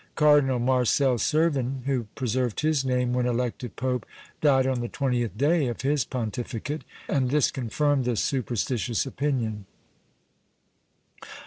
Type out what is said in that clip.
Cardinal Marcel Cervin, who preserved his name when elected pope, died on the twentieth day of his pontificate, and this confirmed this superstitious opinion.